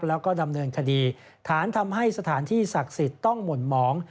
แล้วก็ดำเนินคดีฐานทำให้สถานที่ศักดิ์สิทธิ์ต้องหม่นหมอง